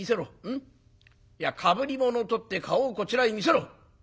ん？いやかぶり物を取って顔をこちらへ見せろ！